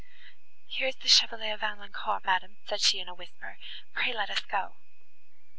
"Here is the Chevalier Valancourt, madam," said she in a whisper, "pray let us go."